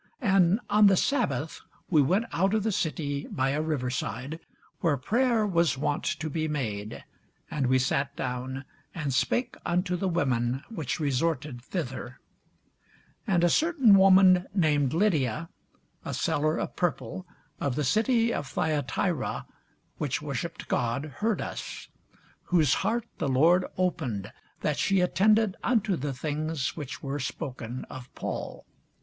And on the sabbath we went out of the city by a river side, where prayer was wont to be made; and we sat down, and spake unto the women which resorted thither. [Sidenote: The Acts 16] And a certain woman named Lydia, a seller of purple, of the city of Thyatira, which worshipped God, heard us: whose heart the Lord opened, that she attended unto the things which were spoken of Paul.